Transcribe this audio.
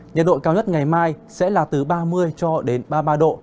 nhiệt độ cao nhất ngày mai sẽ là từ ba mươi cho đến ba mươi ba độ